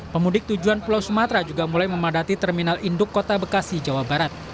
pemudik tujuan pulau sumatera juga mulai memadati terminal induk kota bekasi jawa barat